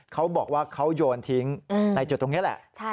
เขาบอกว่าเขาโยนทิ้งในจุดตรงนี้แหละ